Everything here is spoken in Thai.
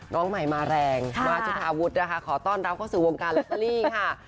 น้องใหม่มาแรงมาจุธาวุฒินะคะขอต้อนรับเข้าสู่วงการลอตเตอรี่ค่ะ